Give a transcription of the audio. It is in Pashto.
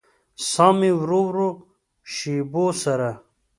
ساه مې ورو ورو د شېبو سره